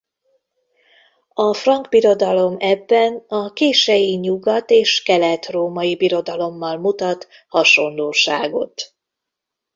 A Frank Birodalom ebben a kései Nyugat- és Keletrómai Birodalommal mutat hasonlóságot.